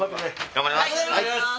・頑張ります。